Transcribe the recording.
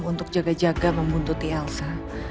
untuk jaga jaga membuntuti elsa